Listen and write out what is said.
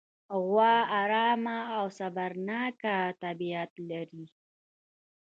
غوا ارامه او صبرناکه طبیعت لري.